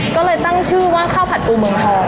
ก็เลยตั้งชื่อว่าข้าวผัดปูเมืองทอง